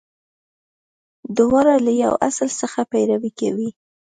• دواړه له یوه اصل څخه پیروي کوي.